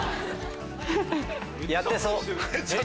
やってそう！